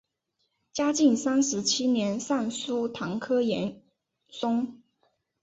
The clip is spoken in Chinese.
嘉靖三十七年上疏弹劾严嵩。